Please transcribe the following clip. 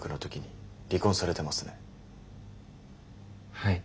はい。